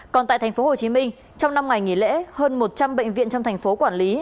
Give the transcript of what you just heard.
còn tại tp hcm trong năm ngày nghỉ lễ hơn một trăm linh bệnh viện trong thành phố quản lý